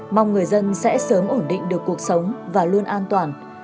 mong người dân sẽ sớm ổn định được cuộc sống và luôn an toàn